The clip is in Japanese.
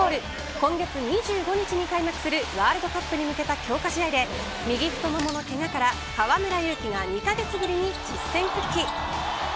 今月２５日に開幕するワールドカップに向けた強化試合で右太腿のけがから河村勇輝が２カ月ぶりに実戦復帰。